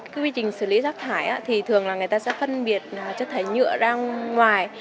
cái quy trình xử lý rác thải thì thường là người ta sẽ phân biệt chất thải nhựa ra ngoài